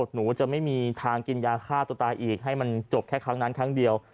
หนูจะไม่มีทางกินยาฆ่าตัวตายอีกให้มันจบแค่ครั้งนั้นครั้งเดียว